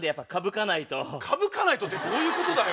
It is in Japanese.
「かぶかないと」ってどういうことだよ。